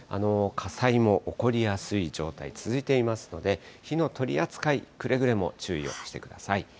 火災も起こりやすい状態、続いていますので、火の取り扱い、くれぐれも注意をしてください。